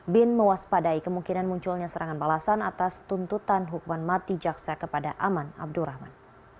bin mewaspadai kemungkinan munculnya serangan balasan atas tuntutan hukuman mati jaksa kepada aman abdurrahman